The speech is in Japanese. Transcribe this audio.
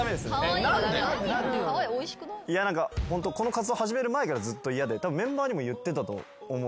この活動始める前からずっと嫌でメンバーにも言ってたと思う。